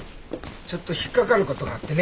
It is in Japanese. ちょっと引っかかる事があってね。